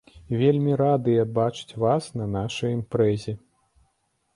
Вельмі радыя бачыць вас на нашай імпрэзе.